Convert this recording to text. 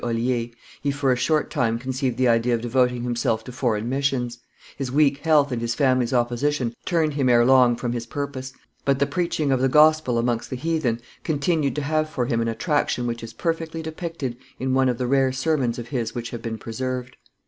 Olier, he for a short time conceived the idea of devoting himself to foreign missions; his weak health and his family's opposition turned him ere long from his purpose, but the preaching of the gospel amongst the heathen continued to have for him an attractionn which is perfectly depicted in one of the rare sermons of his which have been preserved.